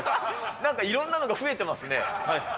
なんかいろんなのが増えてますね。